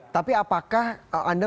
tapi apakah anda melihatnya